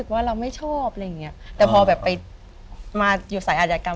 ว่าเราไม่ชอบแต่พอไปมาอยู่ในสายอาจัยกรรม